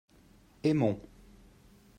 aimons.